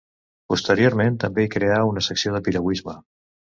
Posteriorment també hi creà una secció de piragüisme.